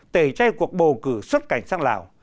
tể chay cuộc bầu cử xuất cảnh sang lào